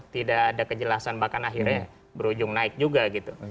tidak ada kejelasan bahkan akhirnya berujung naik juga gitu